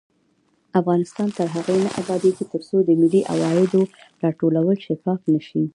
افغانستان تر هغو نه ابادیږي، ترڅو د ملي عوایدو راټولول شفاف نشي.